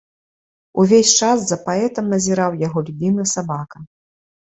Увесь час за паэтам назіраў яго любімы сабака.